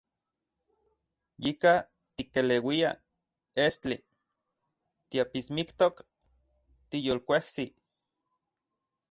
Yika tikeleuia estli, tiapismiktok, tiyolkuejsi.